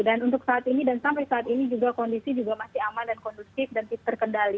dan untuk saat ini dan sampai saat ini juga kondisi juga masih aman dan kondusif dan tidak terkendali